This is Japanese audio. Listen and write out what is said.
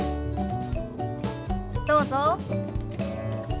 どうぞ。